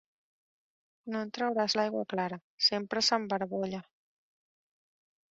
No en trauràs l'aigua clara: sempre s'embarbolla!